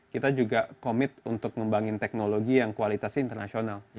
kita juga komit untuk ngembangin teknologi yang kualitasnya internasional